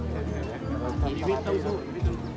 พี่พ่อกลับไปชะเทศนะพี่พ่อกลับไปชะเทศนะ